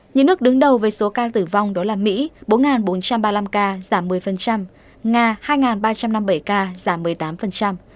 những nước đứng đầu với số ca tử vong đó là mỹ bốn bốn trăm ba mươi năm ca giảm một mươi nga hai ba trăm năm mươi bảy ca giảm một mươi tám